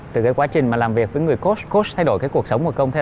từ quá trình làm việc với người coach coach thay đổi cuộc sống của công